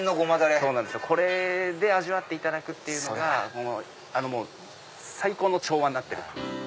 これで味わっていただくのが最高の調和になってる。